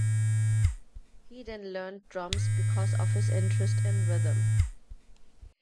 He then learned drums because of his interest in rhythm.